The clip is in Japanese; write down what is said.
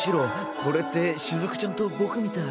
これってしずくちゃんと僕みたい。